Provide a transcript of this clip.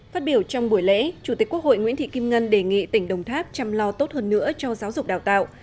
phát biểu trong buổi lễ chủ tịch quốc hội nguyễn thị kim ngân đề nghị tỉnh đồng tháp chăm lo tốt hơn nữa cho giáo dục đào tạo